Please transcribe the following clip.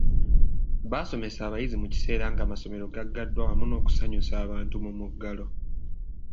Baasomesa abayizi mu kiseera ng'amasomero gaggaddwa wamu n'okusanyusa abantu mu muggalo